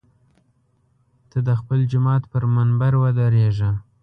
ته د خپل جومات پر منبر ودرېږه.